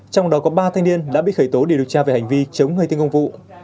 trong đó có ba thanh niên đã bị khởi tố để điều tra về hành vi chống người thinh công vụ